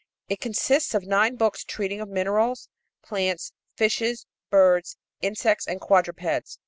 It consists of nine books treating of minerals, plants, fishes, birds, insects and quadrupeds.